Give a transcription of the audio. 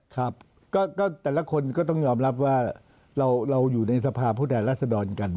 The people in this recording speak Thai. ครับก็แต่ละคนก็ต้องยอมรับว่าเราอยู่ในสภาพผู้แทนรัศดรกัน